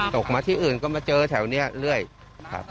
ตกมาที่อื่นก็มาเจอแถวนี้เท่าไหร่